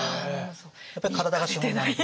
やっぱり体が資本なんで。